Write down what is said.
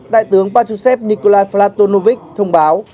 đại tướng patrushev nikolai platonovic thông báo